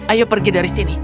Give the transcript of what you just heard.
ayo pergi dari sini